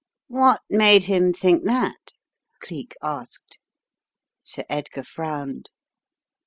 "What made him think that?" Cleek asked. Sir Edgar frowned.